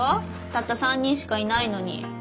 たった３人しかいないのに。